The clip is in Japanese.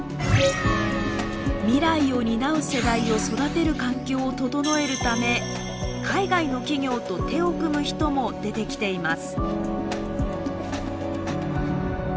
未来を担う世代を育てる環境を整えるため海外の企業と手を組む人も出てきています。